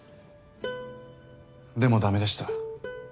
でもだめでした。